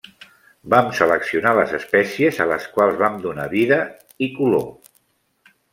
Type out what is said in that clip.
Vam seleccionar les espècies, a les quals vam donar vida i color.